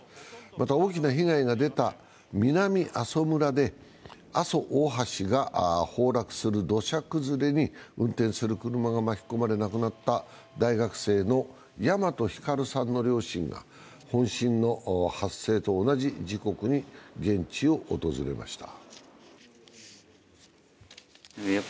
また大きな被害が出た南阿蘇村で阿蘇大橋が崩落する土砂崩れに運転する車が巻き込まれ亡くなった大学生の大和晃さんの両親が本震の発生と同じ時刻に現地を訪れました。